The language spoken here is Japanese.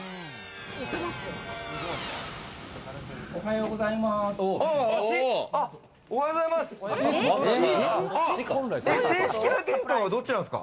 おはようございます。